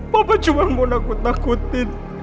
papa cuma mau takut takutin